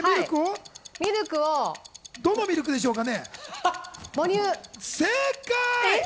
どのミルクでしょうか？